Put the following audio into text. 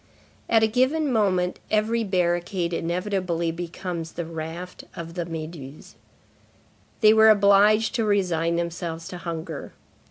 At a given moment, every barricade inevitably becomes the raft of la Méduse. They were obliged to resign themselves to hunger.